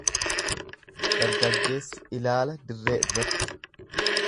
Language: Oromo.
Dargaggeessi ilaala dirree irratti.